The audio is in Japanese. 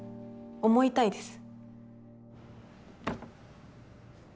思いたいです。